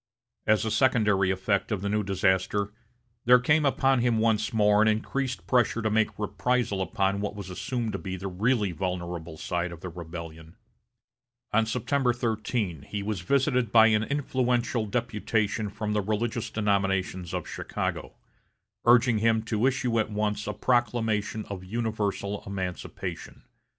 As a secondary effect of the new disaster, there came upon him once more an increased pressure to make reprisal upon what was assumed to be the really vulnerable side of the rebellion. On September 13, he was visited by an influential deputation from the religious denominations of Chicago, urging him to issue at once a proclamation of universal emancipation.